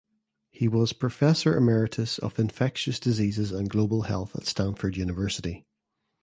He was professor emeritus of infectious diseases and global health at Stanford University.